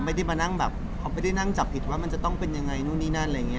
ไม่ได้มานั่งจับผิดว่ามันจะต้องเป็นยังไงหรอก